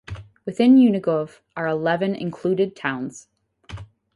Within Unigov are eleven "included towns".